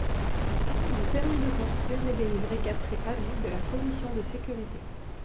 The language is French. Le permis de construire n'est délivré qu'après avis de la commission de sécurité.